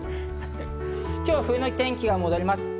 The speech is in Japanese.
今日は冬の天気が戻ります。